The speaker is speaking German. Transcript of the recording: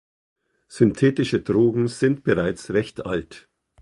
Synthetische Drogen sind bereits recht alt.